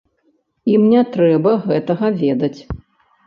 Ім не трэба гэтага ведаць.